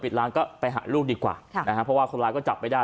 ร้านก็ไปหาลูกดีกว่าค่ะนะฮะเพราะว่าคนร้ายก็จับไม่ได้